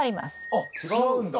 あっ違うんだ。